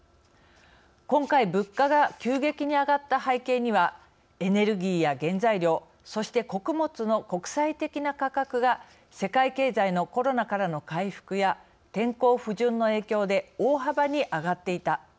今回物価が急激に上がった背景にはエネルギーや原材料そして穀物の国際的な価格が世界経済のコロナからの回復や天候不順の影響で大幅に上がっていた。